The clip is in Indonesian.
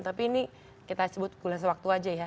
tapi ini kita sebut gula sewaktu aja ya